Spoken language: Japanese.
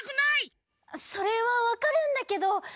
それはわかるんだけど。